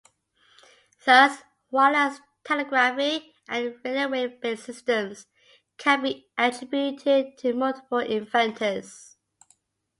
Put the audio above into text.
Thus "wireless telegraphy" and radio wave-based systems can be attributed to multiple "inventors".